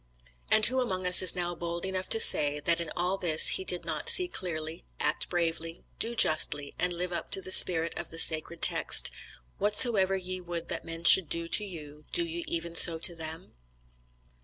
And who among us is now bold enough to say, that in all this he did not see clearly, act bravely, do justly, and live up to the spirit of the sacred text: "Whatsoever ye would that men should do to you, do ye even so to them?"